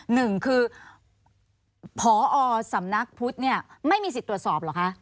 หนึ่งคือพอสำนักพุทธเนี่ยไม่มีสิทธิ์ตรวจสอบเหรอคะ